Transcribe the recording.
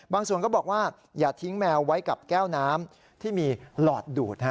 ส่วนก็บอกว่าอย่าทิ้งแมวไว้กับแก้วน้ำที่มีหลอดดูด